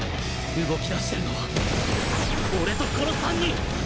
動き出してるのは俺とこの３人！